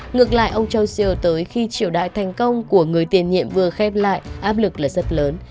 ngược lại ông châu siêu tới khi triều đại thành công của người tiền nhiệm vừa khép lại áp lực là rất lớn